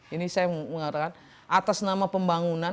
ini saya mau mengatakan atas nama pembangunan